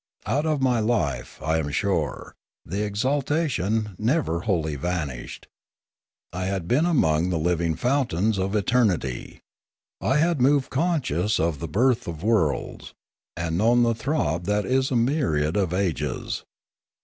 Out of my life, I am sure, the exalta tion never wholly vanished. I had been among the living fountains of eternity. I had moved conscious of the birth of worlds, and known the throb that is a myriad of ages.